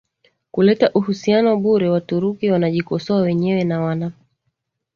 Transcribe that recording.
kuleta uhusiano bure Waturuki wanajikosoa wenyewe na wana